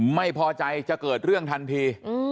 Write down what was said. ไม่พอใจจะเกิดเรื่องทันที